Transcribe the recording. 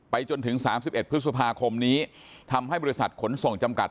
จนถึง๓๑พฤษภาคมนี้ทำให้บริษัทขนส่งจำกัด